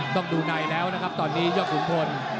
ต้องดูในแล้วนะครับตอนนี้ยอดขุนพล